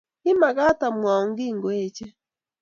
kimagaat amwaun kiiy ngoeche